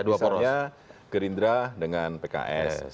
bisa bisa gerindra dengan pks